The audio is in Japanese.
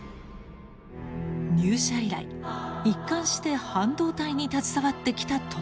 入社以来一貫して半導体に携わってきた鳥羽さん。